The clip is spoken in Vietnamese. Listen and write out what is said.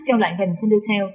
trong loại hình thundertail